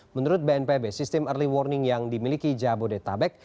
menurut bnpb sistem early warning yang dimiliki jabodetabek